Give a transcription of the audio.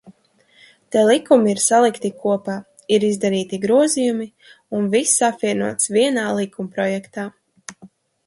Te likumi ir salikti kopā, ir izdarīti grozījumi, un viss apvienots vienā likumprojektā.